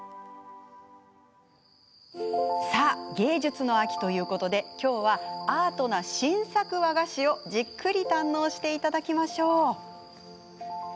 さあ、芸術の秋ということで今日はアートな新作和菓子をじっくり堪能していただきましょう。